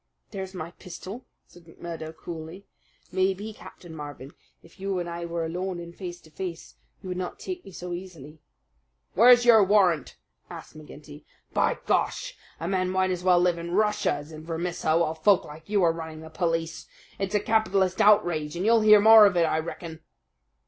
"There's my pistol," said McMurdo coolly. "Maybe, Captain Marvin, if you and I were alone and face to face you would not take me so easily." "Where's your warrant?" asked McGinty. "By Gar! a man might as well live in Russia as in Vermissa while folk like you are running the police. It's a capitalist outrage, and you'll hear more of it, I reckon."